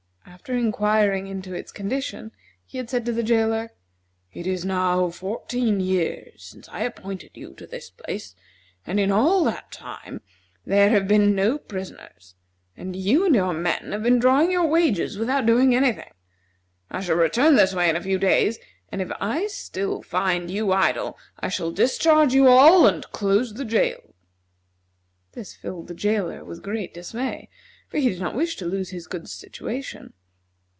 After inquiring into its condition, he had said to the jailer: "It is now fourteen years since I appointed you to this place, and in all that time there have been no prisoners, and you and your men have been drawing your wages without doing any thing. I shall return this way in a few days, and if I still find you idle I shall discharge you all and close the jail." This filled the jailer with great dismay, for he did not wish to lose his good situation.